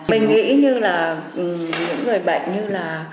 mình nghĩ như là những người bệnh như là